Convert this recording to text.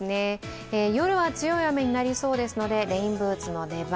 夜は強い雨になりそうですのでレインブーツの出番。